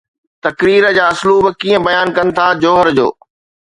تقرير جا اسلوب ڪيئن بيان ڪن ٿا جوهر جو؟